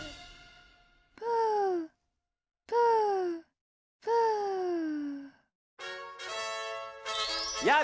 プープープーやあ